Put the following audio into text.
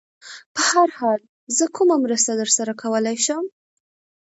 په هر حال، زه کومه مرسته در سره کولای شم؟